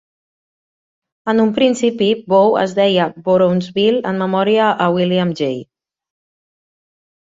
En un principi Bow es deia Borownsville, en memòria a William J.